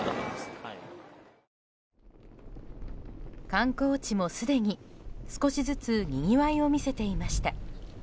観光地も、すでに少しずつにぎわいを見せていました。